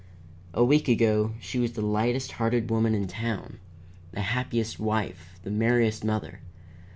"A week ago she was the lightest hearted woman in town, the happiest wife, the merriest mother.